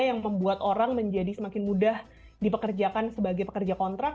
yang membuat orang menjadi semakin mudah dipekerjakan sebagai pekerja kontrak